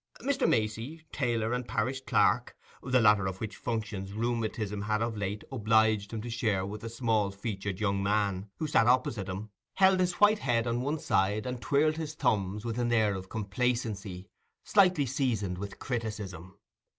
Mr. Macey, tailor and parish clerk, the latter of which functions rheumatism had of late obliged him to share with a small featured young man who sat opposite him, held his white head on one side, and twirled his thumbs with an air of complacency, slightly seasoned with criticism.